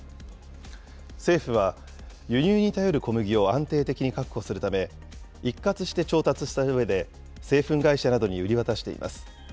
政府は、輸入に頼る小麦を安定的に確保するため、一括して調達したうえで、製粉会社などに売り渡しています。